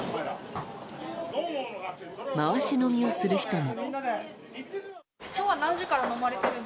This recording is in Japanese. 回し飲みをする人も。